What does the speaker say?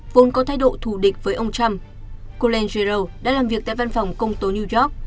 vốn có thái độ thù địch với ông trump coleng jero đã làm việc tại văn phòng công tố new york